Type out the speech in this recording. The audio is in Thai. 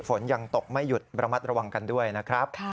ฝนยังตกไม่หยุดระมัดระวังกันด้วยนะครับ